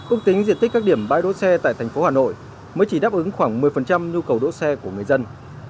úc tính diện tích các điểm bãi độ xe tại thành phố hà nội mới chỉ đáp ứng khoảng một mươi nhu cầu độ xe của người dân